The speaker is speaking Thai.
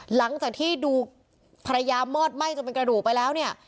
หลังจากที่ดูภรรยามอดไหม้จนเป็นกระดูกไปแล้วเนี่ย